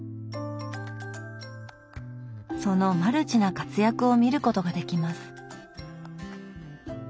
そのマルチな活躍を見ることができます。